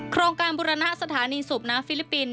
โครงการบุรณะสถานีสูบน้ำฟิลิปปินส